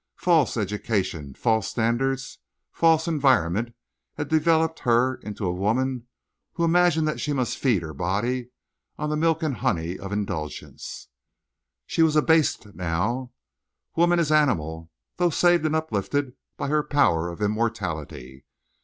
False education, false standards, false environment had developed her into a woman who imagined she must feed her body on the milk and honey of indulgence. She was abased now—woman as animal, though saved and uplifted by her power of immortality.